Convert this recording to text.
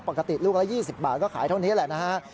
ปกติลูกละ๒๐บาทก็ขายเท่านี้แหละนะฮะ